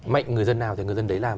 mạnh người dân nào thì người dân đấy làm